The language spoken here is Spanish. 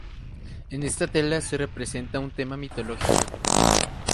En esta tela se representa un tema mitológico.